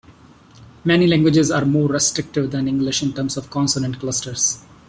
Many languages are more restrictive than English in terms of consonant clusters.